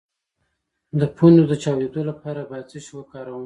د پوندو د چاودیدو لپاره باید څه شی وکاروم؟